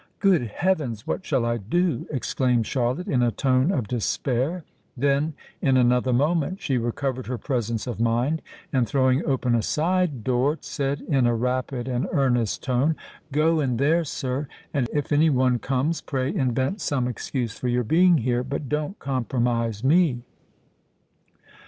"Good heavens! what shall I do?" exclaimed Charlotte, in a tone of despair: then, in another moment, she recovered her presence of mind, and throwing open a side door, said in a rapid and earnest tone, "Go in there, sir—and, if any one comes, pray invent some excuse for your being here—but don't compromise me."